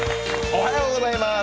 おはようございます。